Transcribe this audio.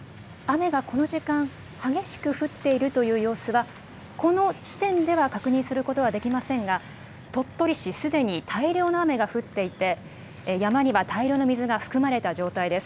雨がこの時間、激しく降っているという様子は、この地点では確認することはできませんが、鳥取市、すでに大量の雨が降っていて、山には大量の水が含まれた状態です。